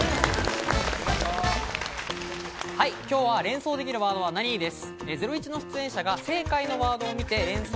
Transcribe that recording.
今日は「連想できるワードは何！？」です。